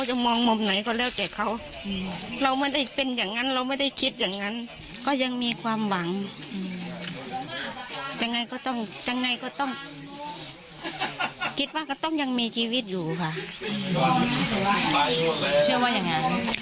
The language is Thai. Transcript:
จะไงก็ต้องจะไงก็ต้องคิดว่าก็ต้องยังมีชีวิตอยู่ค่ะเชื่อว่าอย่างนั้น